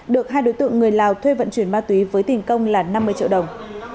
được hai đối tượng người lào thuê vận chuyển ma túy với tiền công là năm mươi triệu đồng